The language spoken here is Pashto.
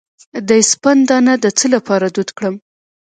د سپند دانه د څه لپاره دود کړم؟